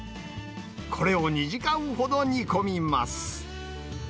これを２時間ほど煮込みます。